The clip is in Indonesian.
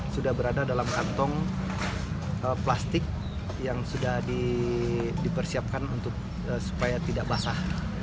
sudah berada dalam kantong plastik yang sudah dipersiapkan supaya tidak basah